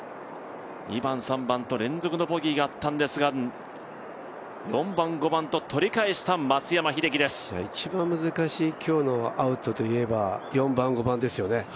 ２番、３番と連続のボギーがあったんですが、４番、５番と取り返した松山英樹です一番難しい今日のアウトといえば、４番、５番ですよね。